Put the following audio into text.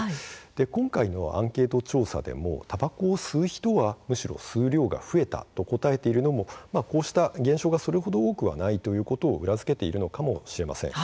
今回のアンケート調査でもたばこを吸う人はむしろ吸う量が増えたと答えているのもこうした現象がそれほど多くはないということを裏付けているのかもしれません。